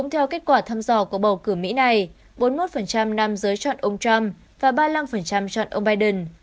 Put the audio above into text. theo kết quả thăm dò của bầu cử mỹ này bốn mươi một nam giới chọn ông trump và ba mươi năm chọn ông biden